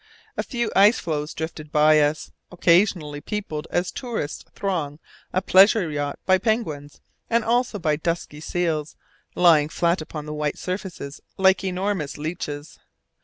A few ice floes drifted by us, occasionally peopled, as tourists throng a pleasure yacht, by penguins, and also by dusky seals, lying flat upon the white surfaces like enormous leeches.